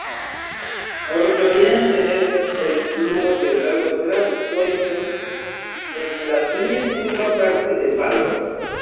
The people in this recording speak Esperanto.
Nordoriente estas elfluo de lago, tra sojlo en la pli suba parto de valo.